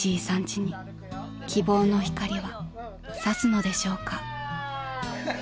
家に希望の光は差すのでしょうか］